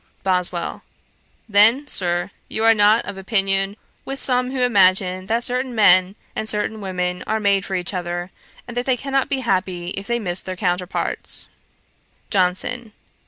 BOSWELL. 'Then, Sir, you are not of opinion with some who imagine that certain men and certain women are made for each other; and that they cannot be happy if they miss their counterparts.' JOHNSON.